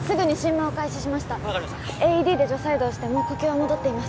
分かりましたＡＥＤで除細動してもう呼吸は戻っています